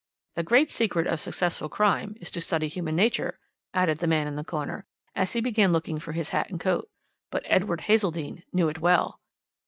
The great secret of successful crime is to study human nature," added the man in the corner, as he began looking for his hat and coat. "Edward Hazeldene knew it well."